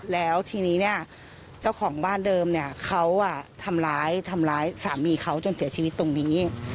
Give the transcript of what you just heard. แล้วทีนี้เนี่ยเจ้าของบ้านเดิมเนี่ยเขาทำร้ายทำร้ายสามีเขาจนเสียชีวิตตรงนี้